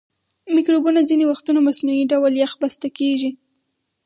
مکروبونه ځینې وختونه مصنوعي ډول یخ بسته کیږي.